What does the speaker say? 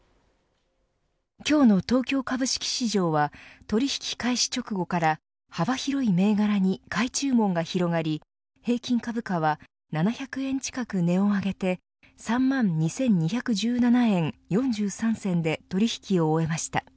今日の東京株式市場は取引開始直後から幅広い銘柄に買い注文が広がり平均株価は７００円近く値を上げて３万２２１７円４３銭で取引を終えました。